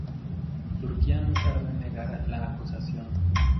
Turquía no tardó en negar la acusación.